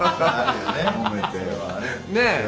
ねえ。